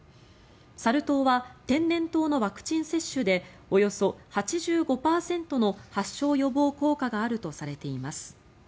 サル痘は天然痘のワクチン接種でおよそ８５％の発症予防効果があるとされています。